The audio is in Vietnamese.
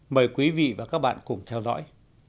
mời quý vị và các bạn cùng theo dõi